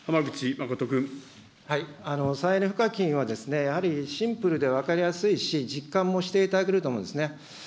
再エネ賦課金は、やはりシンプルで分かりやすいし、実感もしていただけると思うんですね。